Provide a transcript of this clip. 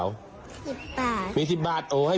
ค่ะแล้วน้องเขาเดินมาก็